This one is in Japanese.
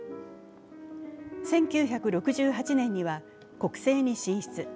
１９６８年には国政に進出。